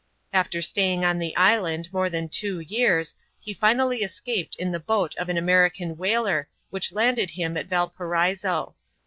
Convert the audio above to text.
After staying on the island more than two years, he finally escaped in the boat of an American whaler, which landed him at Valparaiso.